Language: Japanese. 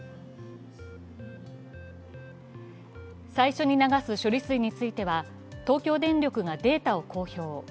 最初に流す処理水については東京電力がデータを公表。